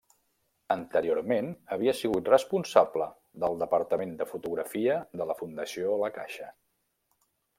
Anteriorment havia sigut responsable del departament de fotografia de la Fundació La Caixa.